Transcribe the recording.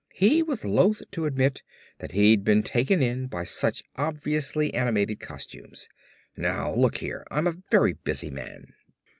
He was loathe to admit that he'd been taken in by such obviously animated costumes. "Now look here, I'm a very busy man."